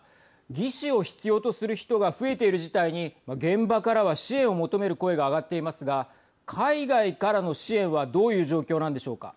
義肢を必要とする人が増えている事態に現場からは支援を求める声が上がっていますが海外からの支援はどういう状況なんでしょうか。